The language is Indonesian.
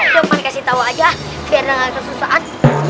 depan kasih tau aja biar gak ada kesusahan